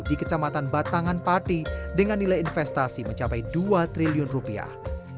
di kecamatan batangan pati dengan nilai investasi mencapai dua triliun rupiah